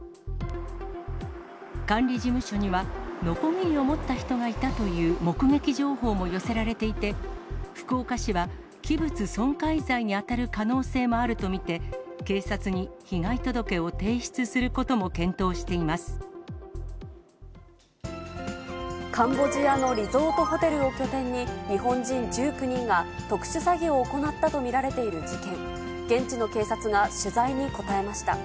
管理事務所には、のこぎりを持った人がいたという目撃情報も寄せられていて、福岡市は器物損壊罪に当たる可能性もあると見て、警察に被害届をカンボジアのリゾートホテルを拠点に、日本人１９人が特殊詐欺を行ったと見られている事件。